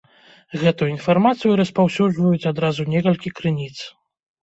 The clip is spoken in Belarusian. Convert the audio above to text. Гэтую інфармацыю распаўсюджваюць адразу некалькі крыніц.